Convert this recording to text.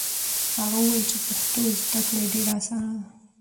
هغه وویل چې پښتو زده کړه ډېره اسانه ده.